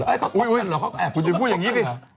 เฮ้ยคุณจะพูดอย่างนี้ดิ